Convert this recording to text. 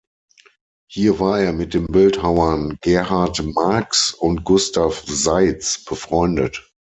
Hier war er mit den Bildhauern Gerhard Marcks und Gustav Seitz befreundet.